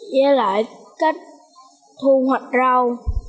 với lại cách thu hoạch rau